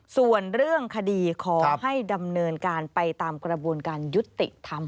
ส่วนเรื่องคดีขอให้ดำเนินการไปตามกระบวนการยุติธรรม